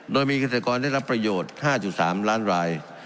โดยมีเกษตรกรได้รับประโยชน์๕๓ล้านราย